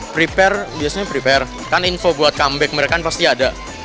prepare biasanya prepare kan info buat comeback mereka kan pasti ada